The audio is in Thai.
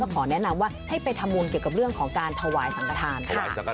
ขอแนะนำว่าให้ไปทำบุญเกี่ยวกับเรื่องของการถวายสังกฐานค่ะ